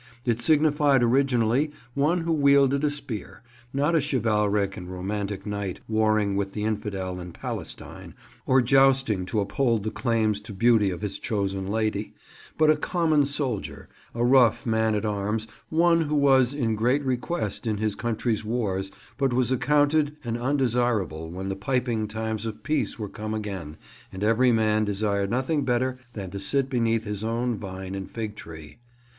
It signified originally one who wielded a spear; not a chivalric and romantic knight warring with the infidel in Palestine, or jousting to uphold the claims to beauty of his chosen lady, but a common soldier, a rough man at arms; one who was in great request in his country's wars, but was accounted an undesirable when the piping times of peace were come again and every man desired nothing better than to sit beneath his own vine and fig tree.